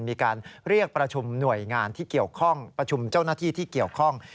มีการเรียกประชุมหน่วยงานที่เกี่ยวข้องประชุมเจ้าหน้าที่ที่เกี่ยวข้อง